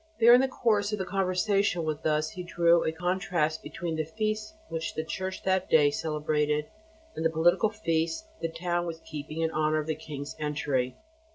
There in the course of conversation with us he drew a contrast between the feast which the Church that day celebrated, and the political feast the town was keeping in honour of the King's entry.